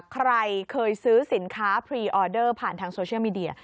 ใครเคยซื้อสินค้าพรีออเดอร์ผ่านทางโซเชียลมีเดีย